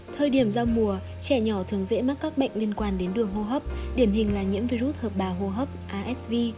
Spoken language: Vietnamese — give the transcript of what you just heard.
thời điểm giao mùa trẻ nhỏ thường dễ mắc các bệnh liên quan đến đường hô hấp điển hình là nhiễm virus hợp bào hô hấp asv